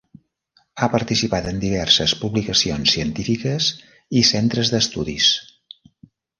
Ha participat en diverses publicacions científiques i centres d'estudis.